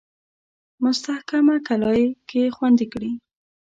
مستحکمه کلا کې خوندې کړي.